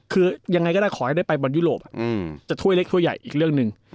คือยังไงก็ได้ขอให้ได้ไปบอลยุโรปจะถ้วยเล็กถ้วยใหญ่อีกเรื่องหนึ่ง